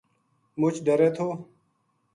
مچ ڈرے تھو